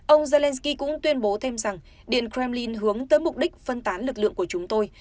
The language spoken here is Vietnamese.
ông zelensky cũng tuyên bố thêm rằng điện kremlin hướng tới mục đích phân tán lực lượng của chúng tôi